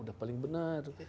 udah paling benar